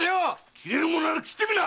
斬れるもんなら斬ってみな！